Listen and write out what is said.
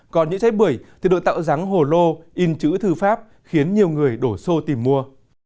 còn những trái bưởi thì đội tạo ráng hồ lô in chữ thư pháp khiến nhiều người đổ xô tìm mua